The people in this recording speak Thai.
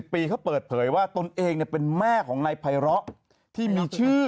ปีเขาเปิดเผยว่าตนเองเป็นแม่ของนายไพร้อที่มีชื่อ